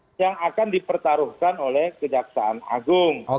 itu kan yang akan dipertaruhkan oleh kejaksaan agung